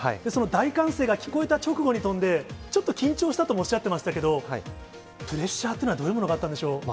その大歓声が聞こえた直後に飛んで、ちょっと緊張したともおっしゃっていましたけれども、プレッシャーというのはどういうものがあったんでしょう。